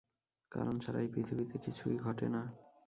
কারণ ছাড়া এই পৃথিবীতে কিছুই ঘটে না।